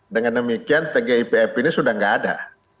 dengan demikian tgipf ini sudah tidak ada